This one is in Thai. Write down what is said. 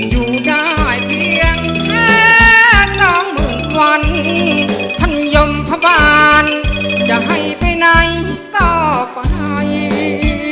อยู่ได้เพียงแค่สองหมื่นวันท่านยมทบาลจะให้ไปไหนก็ไป